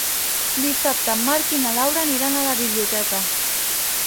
Dissabte en Marc i na Laura aniran a la biblioteca.